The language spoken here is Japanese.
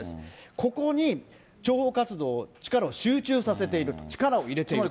ここに諜報活動、力を集中させていると、力を入れている。